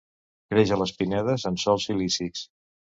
Creix a les pinedes, en sòls silícics.